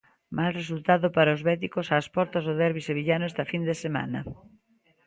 Mal resultado para os béticos ás portas do derbi sevillano esta fin de semana.